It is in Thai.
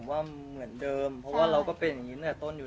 เพราะว่าจริงแล้วผมเชื่อว่า